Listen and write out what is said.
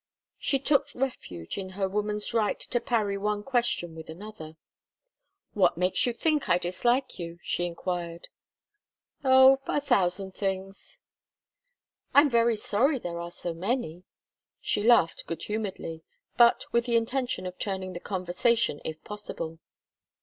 She took refuge in her woman's right to parry one question with another. "What makes you think I dislike you?" she enquired. "Oh a thousand things " "I'm very sorry there are so many!" She laughed good humouredly, but with the intention of turning the conversation if possible.